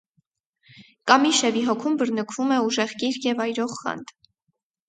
Կամիշևի հոգում բռնկվում է ուժեղ կիրք և այրող խանդ։